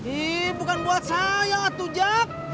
ih bukan buat saya lah tuh jak